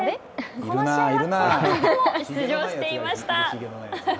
この試合は、この人も出場していました。